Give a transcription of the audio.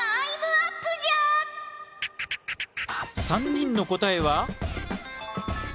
３人の答えは。